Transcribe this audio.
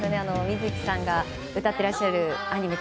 水木さんが歌ってらっしゃるアニメ